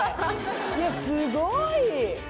いやすごい！